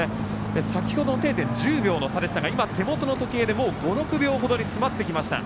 先ほど、定点では１０秒の差でしたが今、手元の時計で５６秒ほどに詰まってきました。